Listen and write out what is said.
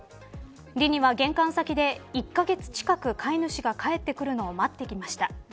リニは玄関先で１カ月近く飼い主が帰ってくるを待っていました。